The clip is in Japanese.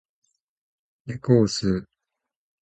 猫を吸う